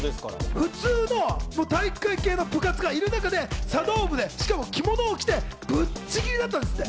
普通の体育会系の部活がいる中で茶道部で、しかも着物を着て、ブッチギリだったんですって。